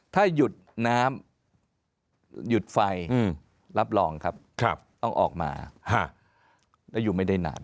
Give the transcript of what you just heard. ถ้าหยุดน้ำหยุดไฟรับรองครับต้องออกมาแล้วอยู่ไม่ได้นาน